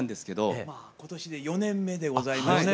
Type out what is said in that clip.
まあ今年で４年目でございまして。